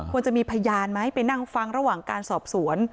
จะมีพยานไหมไปนั่งฟังระหว่างการสอบสวน